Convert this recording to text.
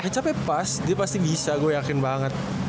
capek pas dia pasti bisa gue yakin banget